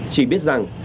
chỉ biết rằng